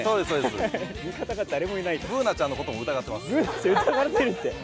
Ｂｏｏｎａちゃんのことも疑ってます。